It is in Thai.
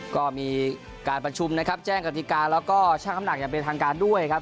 ก็มีการประชุมนะครับแจ้งกฎิกาแล้วก็ช่างน้ำหนักอย่างเป็นทางการด้วยครับ